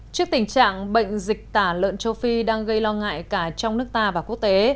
trước tình trạng bệnh dịch tả lợn châu phi đang gây lo ngại cả trong nước ta và quốc tế